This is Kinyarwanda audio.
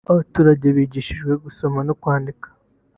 abaturage bigishijwe gusoma no kwandika